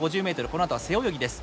このあとは背泳ぎです。